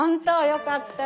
よかった！